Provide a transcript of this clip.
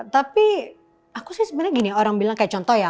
tapi aku sih sebenarnya gini orang bilang kayak contoh ya